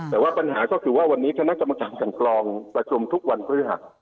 แต่ว่าปัญหาก็คือว่าวันนี้คณะกรรมการกันกรองประชุมทุกวันพฤหัส